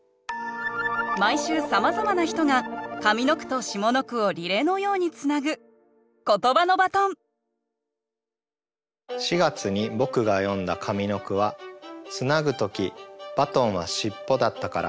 毎週さまざまな人が上の句と下の句をリレーのようにつなぐ４月に僕が詠んだ上の句は「つなぐときバトンはしっぽだったから」。